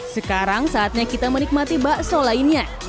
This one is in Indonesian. sekarang saatnya kita menikmati bakso lainnya